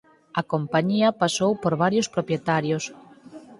A compañía pasou por varios propietarios.